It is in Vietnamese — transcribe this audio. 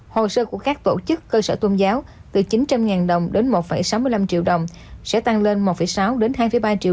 hồ sơ của các tổ chức cơ sở tôn giáo từ chín trăm linh đồng đến một sáu mươi năm triệu đồng sẽ tăng lên một sáu đến hai ba triệu